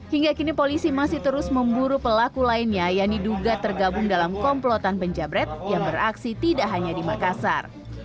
hingga kini polisi masih terus memburu pelaku lainnya yang diduga tergabung dalam komplotan penjabret yang beraksi tidak hanya di makassar